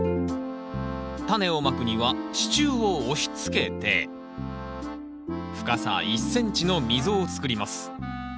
タネをまくには支柱を押しつけて深さ１ｃｍの溝を作ります。